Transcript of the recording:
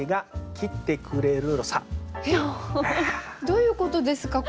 どういうことですか？